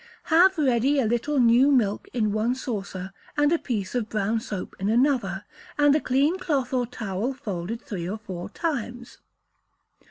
Have ready a little new milk in one saucer, and a piece of brown soap in another, and a clean cloth or towel folded three or four times.